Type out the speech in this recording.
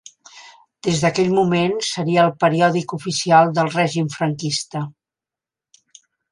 Des d'aquell moment seria el periòdic oficial del Règim Franquista.